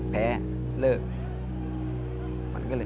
แพ้เลิก